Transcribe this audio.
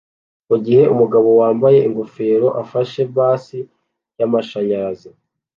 mugihe umugabo wambaye ingofero afashe bass yamashanyarazi